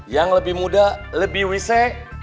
yang lebih muda lebih rese